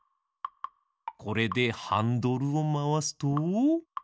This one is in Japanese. これでハンドルをまわすと。